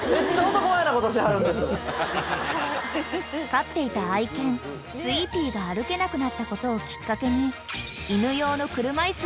［飼っていた愛犬スイーピーが歩けなくなったことをきっかけに］